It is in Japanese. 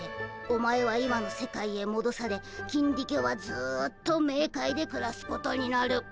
お前は今の世界へもどされキンディケはずっとメーカイでくらすことになる。